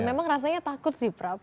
memang rasanya takut sih prap